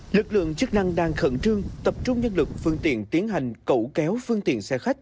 lực lượng chức năng đang khẩn trương tập trung nhân lực phương tiện tiến hành cẩu kéo phương tiện xe khách